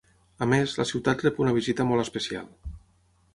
A més, la ciutat rep una visita molt especial.